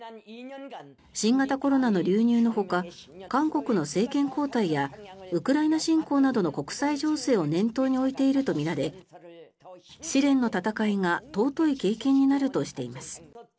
新型コロナの流入のほか韓国の政権交代やウクライナ侵攻などの国際情勢を念頭に置いているとみられ試練の闘いが尊い経験になるとしています。